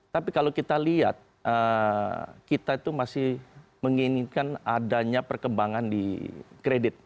tapi kalau kita lihat kita itu masih menginginkan adanya perkembangan di kredit